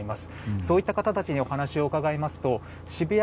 そういった方たちにお話を伺いますと渋谷